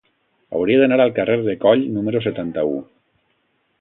Hauria d'anar al carrer de Coll número setanta-u.